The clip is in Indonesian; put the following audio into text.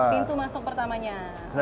pintu masuk pertamanya